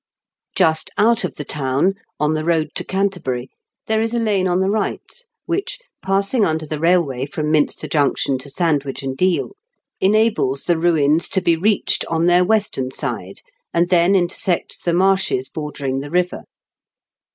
Just out of the town, on the BIGHBOEOUQH 0A8TLE. 229 road to Canterbury, there is a lane on the right which, passing under the railway from Minster Junction to Sandwich and Deal, enables the ruins to be reached on their western side, and then intersects the marshes bordering the river.